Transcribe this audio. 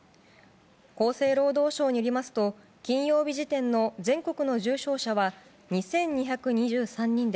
厚生労働省によりますと金曜日時点の全国の重症者は２２２３人で